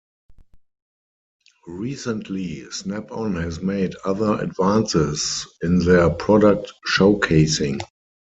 Recently, Snap-on has made other advances in their product showcasing.